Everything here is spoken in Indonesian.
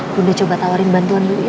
bunda coba tawarin bantuan dulu ya